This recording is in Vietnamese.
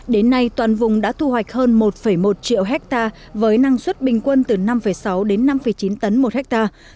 đến nay toàn vùng đã thu hoạch hơn một một triệu hectare với năng suất bình quân từ năm sáu đến năm chín tấn một hectare